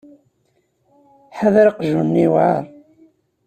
Ḥader aqjun-nni yewɛer.